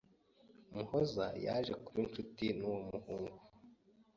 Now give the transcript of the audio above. Muhoza yaje kuba inshuti n’uwo muhungu